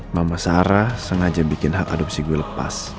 mama sarah sengaja bikin hak adopsi gue lepas